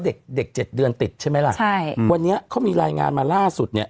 เด็กเด็กเจ็ดเดือนติดใช่ไหมล่ะใช่วันนี้เขามีรายงานมาล่าสุดเนี้ย